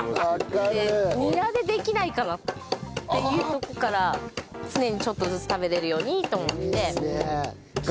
ニラでできないかなっていうところから常にちょっとずつ食べれるようにと思って。